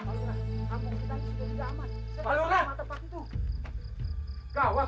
kampung kita disitu tidak aman